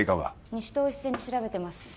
西棟を一斉に調べてます